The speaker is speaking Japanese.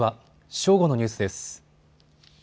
正午のニュースです。